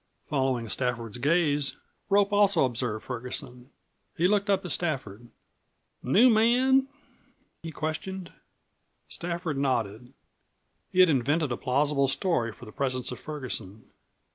Following Stafford's gaze, Rope also observed Ferguson. He looked up at Stafford. "New man?" he questioned. Stafford nodded. He had invented a plausible story for the presence of Ferguson.